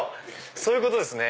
そういうことですね。